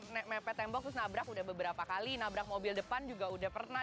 nek mepet tembok terus nabrak udah beberapa kali nabrak mobil depan juga udah pernah